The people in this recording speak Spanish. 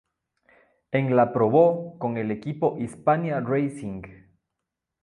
En la probó con el equipo Hispania Racing.